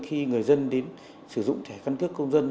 khi người dân đến sử dụng thẻ căn cước công dân